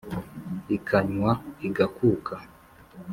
ikanywa ígakuka